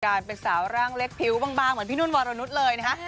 เป็นสาวร่างเล็กผิวบางเหมือนพี่นุ่นวรนุษย์เลยนะฮะ